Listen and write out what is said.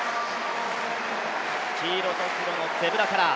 黄色と黒のゼブラカラー。